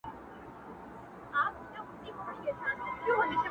د پښتو غزل ساقي دی،